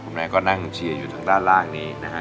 แม่ก็นั่งเชียร์อยู่ทางด้านล่างนี้นะฮะ